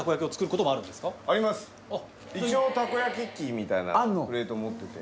一応たこ焼き器みたいなプレートを持ってて。